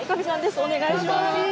お願いします。